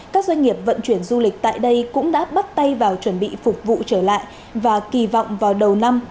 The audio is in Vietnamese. các doanh nghiệp vận chuyển du lịch tại đây cũng đã bắt tay vào chuẩn bị phục vụ trở lại và kỳ vọng vào đầu năm